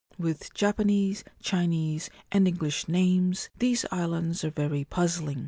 With Japanese, Chinese, and English names, these islands are very puzzling.